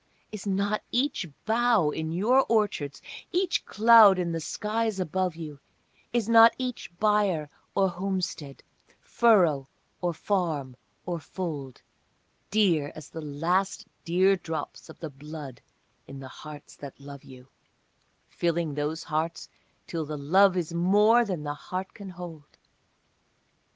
Is not each bough in your orchards, each cloud in the skies above you, Is not each byre or homestead, furrow or farm or fold, Dear as the last dear drops of the blood in the hearts that love you, Filling those hearts till the love is more than the heart can hold?